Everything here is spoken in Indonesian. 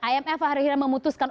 imf hari hari memutuskan